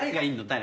誰？